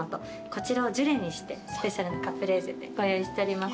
こちらをジュレにしてスペシャルなカプレーゼでご用意しております。